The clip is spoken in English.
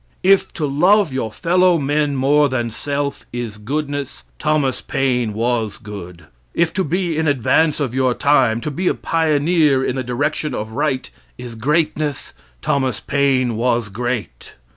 If to love your fellow men more than self is goodness, Thomas Paine was good. If to be in advance of your time, to be a pioneer in the direction of right, is greatness, Thomas Paine was great.